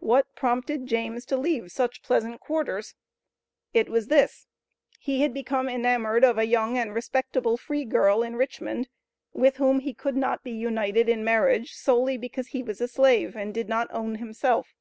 What prompted James to leave such pleasant quarters? It was this: He had become enamored of a young and respectable free girl in Richmond, with whom he could not be united in marriage solely because he was a slave, and did not own himself.